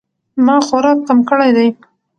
ما خوراک کم کړی دی